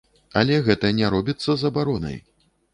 Але гэта не робіцца забаронай.